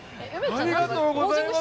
ありがとうございます！